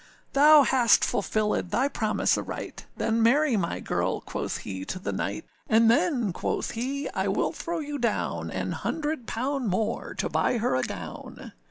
â âThou hast fulfillèd thy promise aright, Then marry my girl,â quoth he to the knight; âAnd then,â quoth he, âI will throw you down, An hundred pound more to buy her a gown.